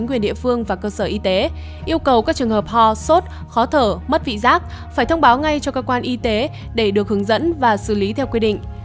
yêu cầu các trường hợp ho sốt khó thở mất vị giác phải thông báo ngay cho cơ quan y tế để được hướng dẫn và xử lý theo quy định